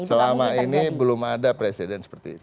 selama ini belum ada presiden seperti itu